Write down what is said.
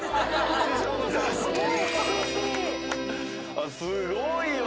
「あっすごいわ！